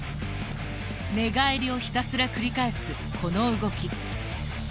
寝返りをひたすら繰り返すこの動き。